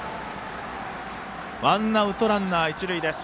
ワンアウトランナー、一塁です。